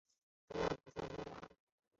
是要不要放过我啊